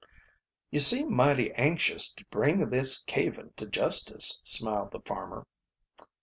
"You seem mighty anxious to bring this Caven to justice," smiled the farmer.